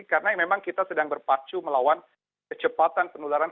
karena memang kita sedang berpacu melawan kecepatan penularan komando